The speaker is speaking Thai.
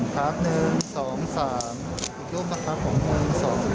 เพราะว่ากระแสมันออกมาว่าเราสองคนทะลกค่ะ